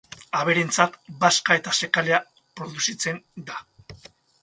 Abereentzat bazka eta zekalea produzitzen da.